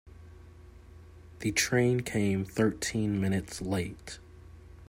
The train came thirteen minutes late.